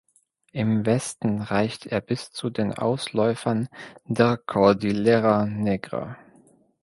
Im Westen reicht er bis zu den Ausläufern der Cordillera Negra.